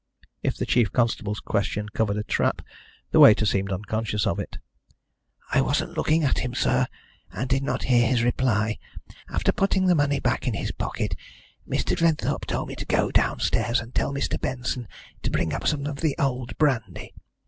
If the chief constable's question covered a trap, the waiter seemed unconscious of it. "I wasn't looking at him, sir, and did not hear his reply. After putting the money back in his pocket, Mr. Glenthorpe told me to go downstairs and tell Mr. Benson to bring up some of the old brandy.